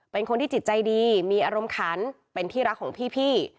เป็นคนที่จิตใจดีมีอารมณ์ขันเป็นที่รักของพี่